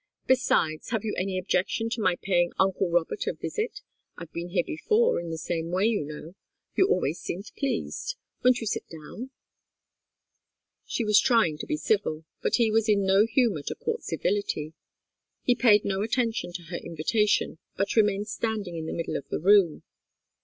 "Besides, have you any objection to my paying uncle Robert a visit? I've been here before in the same way, you know. You always seemed pleased. Won't you sit down?" She was trying to be civil, but he was in no humour to court civility. He paid no attention to her invitation, but remained standing in the middle of the room.